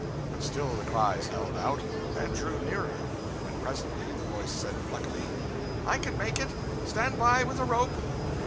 But still the cries held out, and drew nearer, and presently the voice said pluckily 'I can make it! Stand by with a rope!'